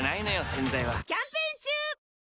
洗剤はキャンペーン中！